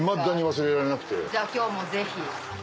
じゃあ今日もぜひ。